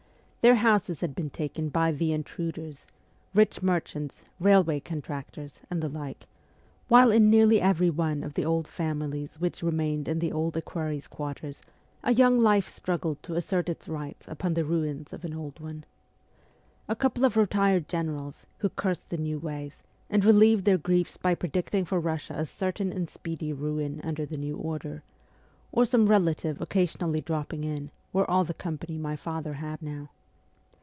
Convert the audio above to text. Their houses had been taken by ' the intruders ' rich merchants, railway contractors, and the like while in nearly every one of the old families which remained in the Old Equerries' Quarters a young life struggled to assert its rights upon the ruins of the old one. A couple of retired generals, who cursed the new ways, and relieved their griefs by predicting for Russia a certain and speedy ruin under the new order, or some relative occasionally dropping in, were all the company my father had now.